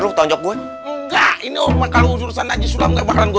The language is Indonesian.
lo tolong gue enggak ini umat kalau urusan aja sudah enggak akan gue